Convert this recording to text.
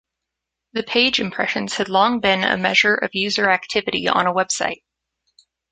The page impression has long been a measure of user activity on a website.